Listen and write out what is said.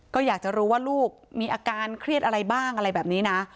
ก็อยากจะรู้ว่าลูกมีอาการเครียดอะไรบ้างอะไรแบบนี้นะ